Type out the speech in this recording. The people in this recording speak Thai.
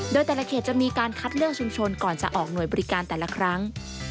โดยแต่ละเขตจะมีการคัดเลือกชุมชนก่อนจะออกหน่วยบริการแต่ละครั้ง